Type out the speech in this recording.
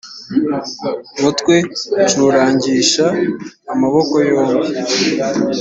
mutwe ncurangisha amaboko yombi